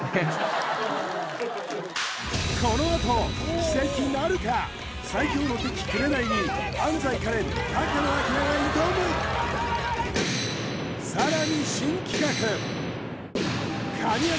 このあと奇跡なるか最強の敵「紅」に安斉かれん高野洸が挑むさらに新企画神業